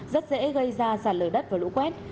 rất dễ gây ra sạt lở đất và lũ quét